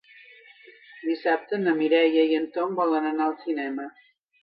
Dissabte na Mireia i en Tom volen anar al cinema.